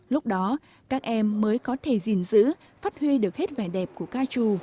lúc đó các em mới có thể gìn giữ phát huy được hết vẻ đẹp của ca trù